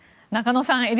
中野さん